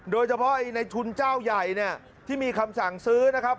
โดยเฉพาะในทุนเจ้าใหญ่เนี่ยที่มีคำสั่งซื้อนะครับ